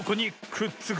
くっつく！